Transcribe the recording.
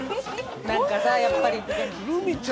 何かさやっぱり。